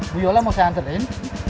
bu yola mau saya anterin